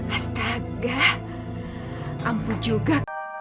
astaga ampu juga